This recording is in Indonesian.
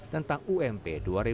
tentang ump dua ribu dua puluh